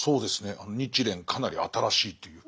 あの日蓮かなり新しいという。